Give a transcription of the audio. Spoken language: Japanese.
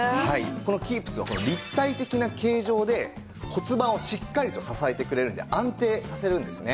このＫｅｅｐｓは立体的な形状で骨盤をしっかりと支えてくれるので安定させるんですね。